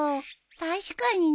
確かにね。